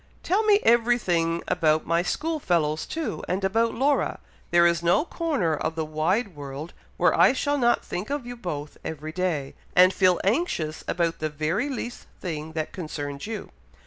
Tell me everything about my school fellows, too, and about Laura. There is no corner of the wide world where I shall not think of you both every day, and feel anxious about the very least thing that concerns you."